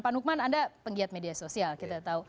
pak nukman anda penggiat media sosial kita tahu